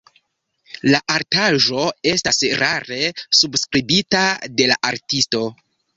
La artaĵo estas rare subskribita de la artisto.